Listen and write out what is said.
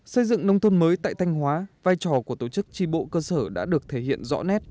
xây dựng nông thôn mới tại thanh hóa vai trò của tổ chức tri bộ cơ sở đã được thể hiện rõ nét